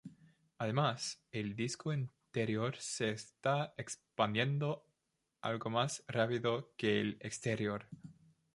Además, el disco interior se está expandiendo algo más rápido que el exterior.